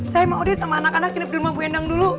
saya mau deh sama anak anak hidup di rumah bu endang dulu